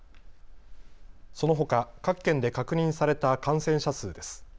そのほか、各県で確認された感染者数です。